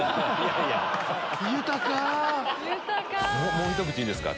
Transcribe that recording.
もうひと口いいですか。